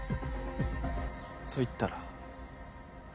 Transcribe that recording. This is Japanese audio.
と言ったら？